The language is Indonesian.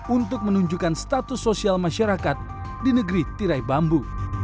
untuk menunjukkan status sosial masyarakat di negeri tirai bambu